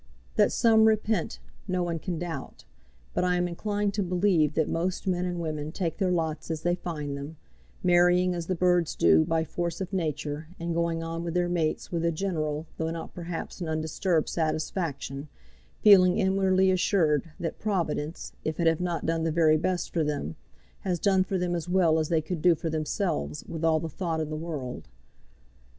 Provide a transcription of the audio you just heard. That some repent no one can doubt; but I am inclined to believe that most men and women take their lots as they find them, marrying as the birds do by force of nature, and going on with their mates with a general, though not perhaps an undisturbed satisfaction, feeling inwardly assured that Providence, if it have not done the very best for them, has done for them as well as they could do for themselves with all the thought in the world.